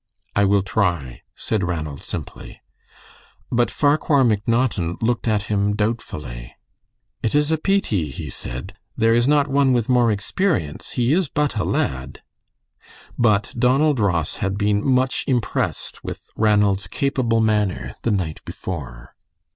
"I will try," said Ranald, simply. But Farquhar McNaughton looked at him doubtfully. "It is a peety," he said, "there is not one with more experience. He is but a lad." But Donald Ross had been much impressed with Ranald's capable manner the night before.